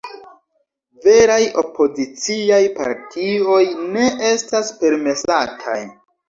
Veraj opoziciaj partioj ne estas permesataj.